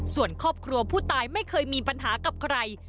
ส่วนครอบครัวผู้ตายไม่เคยมีปัญหากับใคร